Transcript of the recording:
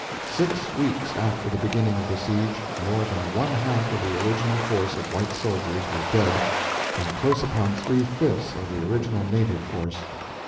Six weeks after the beginning of the siege more than one half of the original force of white soldiers was dead, and close upon three fifths of the original native force.